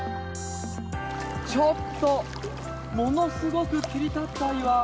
ちょっと、ものすごく切り立った岩。